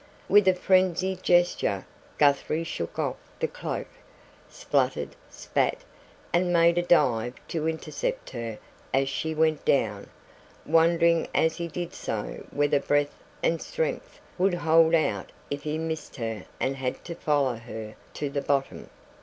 With a frenzied gesture, Guthrie shook off the cloak, spluttered, spat, and made a dive to intercept her as she went down, wondering as he did so whether breath and strength would hold out if he missed her and had to follow her to the bottom.